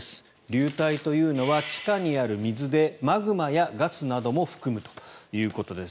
流体というのは地下にある水でマグマやガスなども含むということです。